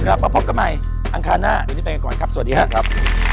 กลับมาพบกันใหม่อังคารหน้าเดี๋ยวนี้ไปกันก่อนครับสวัสดีครับ